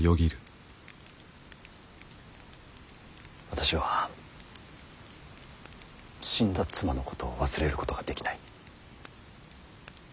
私は死んだ妻のことを忘れることができない。